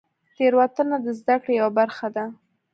تېروتنه د زدهکړې یوه برخه ده.